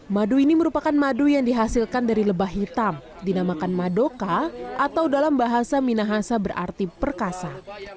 madu ini merupakan madu yang dihasilkan dari lebah hitam dinamakan madoka atau dalam bahasa minahasa berarti perkasa